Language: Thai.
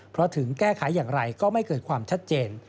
เพราะถึงแก้ไขอย่างไรก็ไม่เกิดความชัดเจน